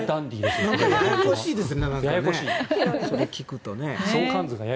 ややこしいですね。